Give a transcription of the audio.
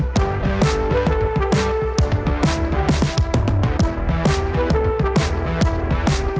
baru balik dulu beans